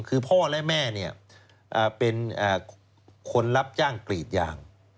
คือพ่อและแม่เป็นคนรับจ้างกรีดยาง